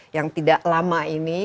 yang tidak lama ini